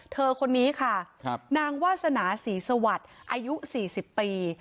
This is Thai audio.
เธอคนนี้ค่ะครับนางวาสนาศรีสวรรค์อายุสี่สิบปี